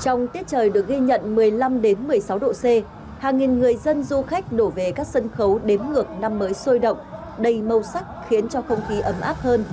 trong tiết trời được ghi nhận một mươi năm một mươi sáu độ c hàng nghìn người dân du khách đổ về các sân khấu đếm ngược năm mới sôi động đầy màu sắc khiến cho không khí ấm áp hơn